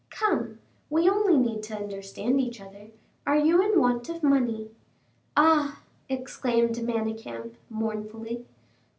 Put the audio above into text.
Come, we only need to understand each other. Are you in want of money?" "Ah!" exclaimed Manicamp, mournfully.